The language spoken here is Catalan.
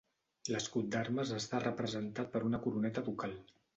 L'escut d'armes està representat per una coroneta ducal.